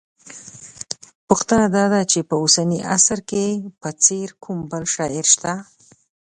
پوښتنه دا ده چې په اوسني عصر کې په څېر کوم بل شاعر شته